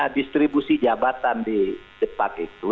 distribusi jabatan di depan itu